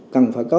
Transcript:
cần phải có